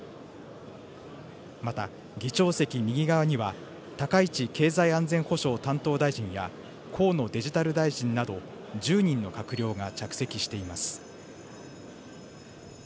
また議長席右側には、高市経済安全保障担当大臣や、河野デジタル大臣など、１０人の閣僚が着席しています。